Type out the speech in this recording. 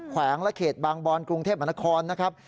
แขวงและเขตบางบอนกรุงเทพมหานครนะครับ